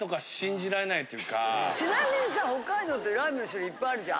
ちなみにさ北海道ってラーメンの種類いっぱいあるじゃん。